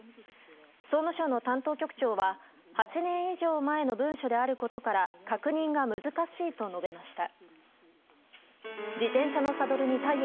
総務省の担当局長は８年以上前の文書であることから確認が難しいと述べました。